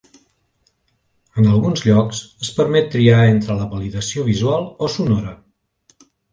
En alguns llocs es permet triar entre la validació visual o sonora.